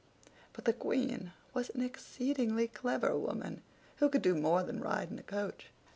But the Queen was an exceedingly clever woman, who could do more than ride in a coach.